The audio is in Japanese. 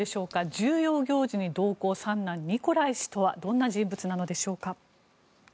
重要行事に同行三男ニコライ氏とはどんな人物なのでしょうか。